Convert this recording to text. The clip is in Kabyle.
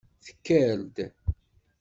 Tekker-d.